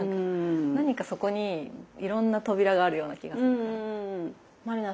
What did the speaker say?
何かそこにいろんな扉があるような気がするから。